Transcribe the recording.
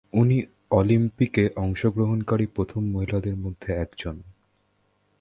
উনি অলিম্পিকে অংশগ্রহণকারী প্রথম মহিলাদের মধ্যে একজন।